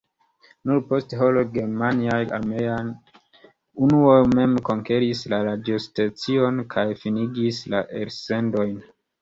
Nur post horoj germaniaj armeaj unuoj mem konkeris la radiostacion kaj finigis la elsendojn.